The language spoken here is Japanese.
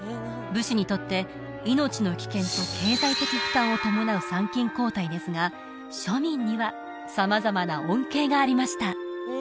武士にとって命の危険と経済的負担を伴う参勤交代ですが庶民には様々な恩恵がありました